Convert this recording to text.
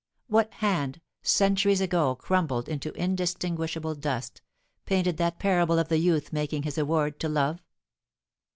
What hand, centuries ago crumbled into indistinguishable dust, painted that parable of the youth making his award to Love?